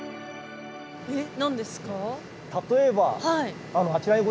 えっ何ですか？